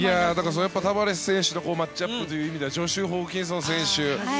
それはタバレス選手とマッチアップという意味ではジョシュ・ホーキンソン選手。